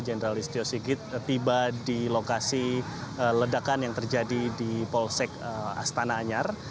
jenderal listio sigit tiba di lokasi ledakan yang terjadi di polsek astana anyar